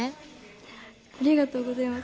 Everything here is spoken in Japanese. ありがとうございます。